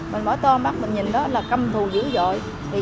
mình mở tơ mắt mình nhìn đó là căm thù dữ dội